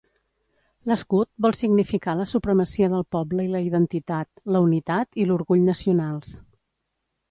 L'escut vol significar la supremacia del poble i la identitat, la unitat i l'orgull nacionals.